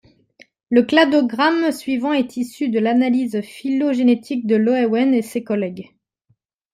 Le cladogramme suivant est issu de l'analyse phylogénétique de Loewen et ses collègues.